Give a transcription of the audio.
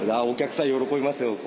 お客さん喜びますよ